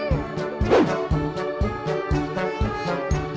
ว้าไอ้เหี้ย